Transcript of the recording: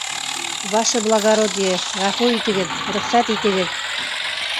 — Ваше благородие, ғәфү итегеҙ, рөхсәт итегеҙ!